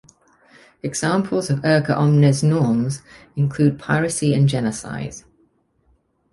Examples of erga omnes norms include piracy and genocide.